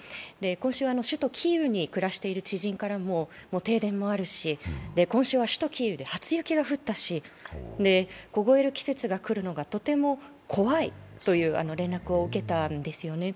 今週は首都キーウに暮らしている友人からも、停電もあるし、今週は首都キーウで初雪が降ったし、凍える季節が来るのがとても怖いという連絡を受けたんですよね。